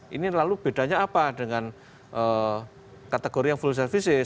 ini lalu bedanya apa dengan kategori yang full services